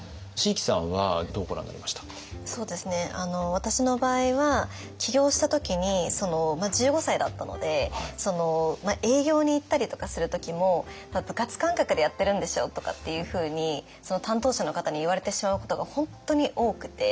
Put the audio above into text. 私の場合は起業した時に１５歳だったので営業に行ったりとかする時も「部活感覚でやってるんでしょ？」とかっていうふうにその担当者の方に言われてしまうことが本当に多くて。